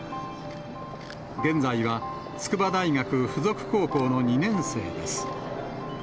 現在は筑波大学附属高校の２年生です。